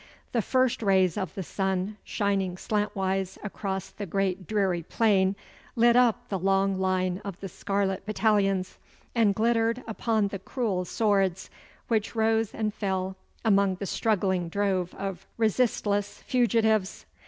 The first rays of the sun shining slantwise across the great dreary plain lit up the long line of the scarlet battalions, and glittered upon the cruel swords which rose and fell among the struggling drove of resistless fugitives.